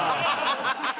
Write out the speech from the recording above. ハハハハ！